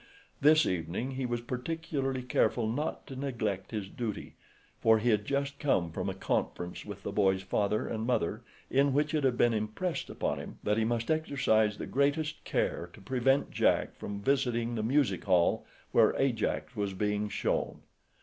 This evening he was particularly careful not to neglect his duty, for he had just come from a conference with the boy's father and mother in which it had been impressed upon him that he must exercise the greatest care to prevent Jack visiting the music hall where Ajax was being shown.